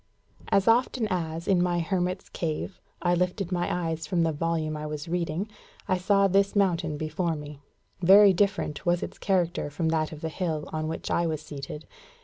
As often as, in my hermit's cave, I lifted my eyes from the volume I was reading, I saw this mountain before me. Very different was its character from that of the hill on which I was seated.